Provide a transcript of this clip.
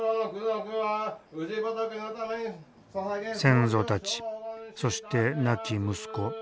先祖たちそして亡き息子。